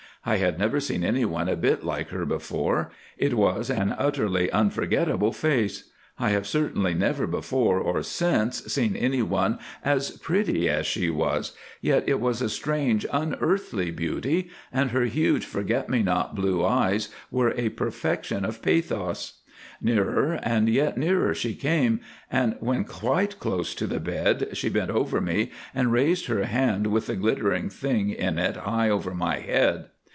I had never seen anyone a bit like her before; it was an utterly unforgettable face. I have certainly never before, or since, seen anyone as pretty as she was—yet it was a strange, unearthly beauty, and her huge forget me not blue eyes were a perfection of pathos. Nearer, and yet nearer, she came, and when quite close to the bed, she bent over me and raised her hand with the glittering thing in it high over my head.